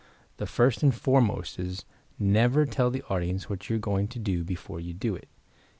The first and foremost is, Never tell the audience what you are going to do before you do it.